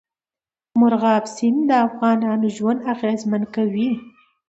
مورغاب سیند د افغانانو ژوند اغېزمن کوي.